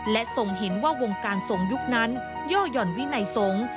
และทรงเห็นว่าวงการทรงยุคนั้นย่อหย่อนวินัยสงฆ์